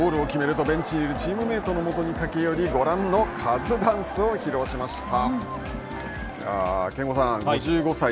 ゴールを決めるとベンチに行くとチームメートのもとに駆け寄りご覧のカズダンスを披露しました。